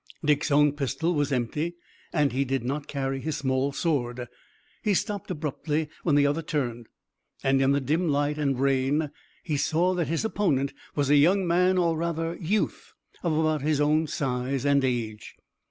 Dick's own pistol was empty and he did not carry his small sword. He stopped abruptly when the other turned, and, in the dim light and rain, he saw that his opponent was a young man or rather youth of about his own size and age.